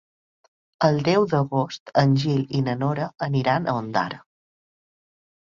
El deu d'agost en Gil i na Nora aniran a Ondara.